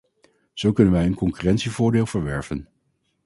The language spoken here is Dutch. Zo kunnen wij een concurrentievoordeel verwerven.